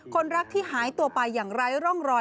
คนรักที่หายตัวไปอย่างไร้ร่องรอย